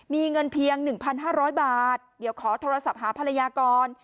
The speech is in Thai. มีเงินเพียง๑๕๐๐บาทเดี๋ยวขอโทรศัพท์หาภรรยาก่อน